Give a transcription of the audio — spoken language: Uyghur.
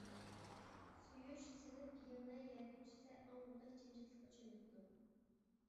سۆيۈش سىنىپ يىڭنە يەرگە چۈشسە ئاڭلىغۇدەك جىمجىتلىققا چۆمۈپتۇ.